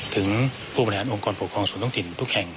ถึงผู้บริหารองค์การผู้ของ